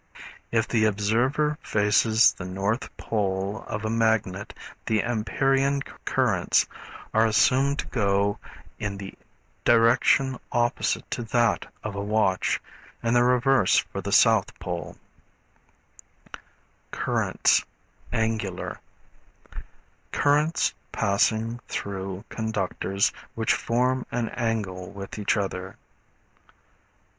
If the observer faces the north pole of a magnet the Ampérian currents are assumed to go in the direction opposite to that of a watch, and the reverse for the south pole. Figs. 118 119 DIRECTION OF AMPÉRIAN CURRENTS. Currents, Angular. Currents passing through conductors which form an angle with each other.